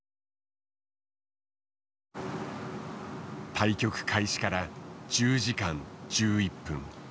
対局開始から１０時間１１分。